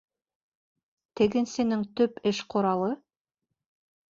Тегенсенең төп эш ҡоралы?